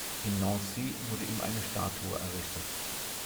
In Nancy wurde ihm eine Statue errichtet.